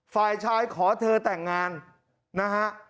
ฝ่ายชายขอเธอแต่งงานนะฮะ